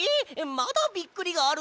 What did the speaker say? まだびっくりがあるの？